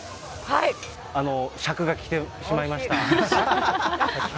尺が来てしまいました。